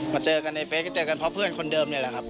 เจอกันในเฟสก็เจอกันเพราะเพื่อนคนเดิมนี่แหละครับ